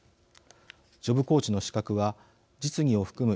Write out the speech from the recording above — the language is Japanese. ジョブコーチの資格は実技を含む